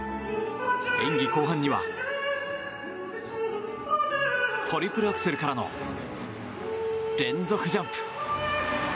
演技後半にはトリプルアクセルからの連続ジャンプ！